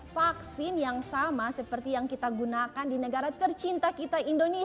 vaksin yang sama seperti yang kita gunakan di negara tercinta kita indonesia